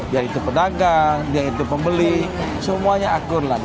dia itu pedagang dia itu pembeli semuanya akun lah